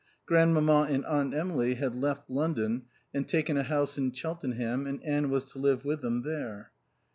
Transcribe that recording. Grandmamma and Aunt Emily had left London and taken a house in Cheltenham and Anne was to live with them there.